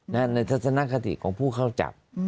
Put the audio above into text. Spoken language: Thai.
ในทัศนคติของผู้เข้าจับ